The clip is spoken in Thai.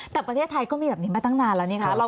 แต่ประเทศไทยก็มีแบบนี้มาตั้งนานแล้วนี่คะ